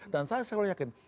dan saya selalu yakin